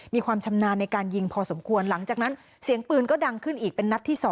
มีความชำนาญในการยิงพอสมควรหลังจากนั้นเสียงปืนก็ดังขึ้นอีกเป็นนัดที่๒